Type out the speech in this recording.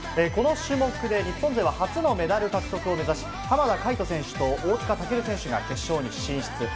この種目で日本勢は初のメダル獲得を目指し、浜田海人選手と大塚健選手が決勝に進出。